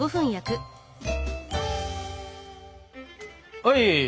はい！